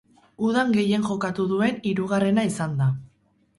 Udan gehien jokatu duen hirugarrena izan da.